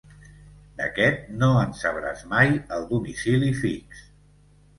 D'aquest no en sabràs mai el domicili fix.